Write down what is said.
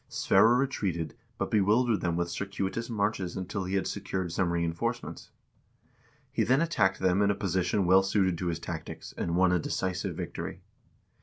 Sverre retreated, but bewildered them with circuitous marches until he had secured some reinforcements. He then attacked them in a position well suited to his tactics, and won a decisive victory.